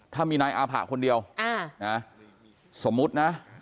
ถ้ามีนายอาผะคนเดียวสมมุตินะ